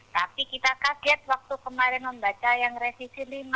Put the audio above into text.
tapi kita kaget waktu kemarin membaca yang resisi lima